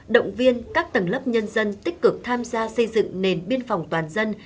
động viên các tầng lớp nhân dân tích cực tham gia xây dựng nền biên phòng toàn dân